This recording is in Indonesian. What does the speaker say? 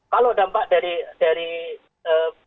kalau dampak dari ee